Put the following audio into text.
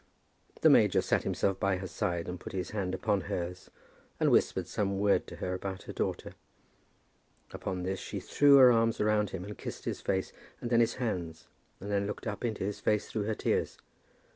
The major sat himself by her side, and put his hand upon hers, and whispered some word to her about her daughter. Upon this she threw her arms around him, and kissed his face, and then his hands, and then looked up into his face through her tears.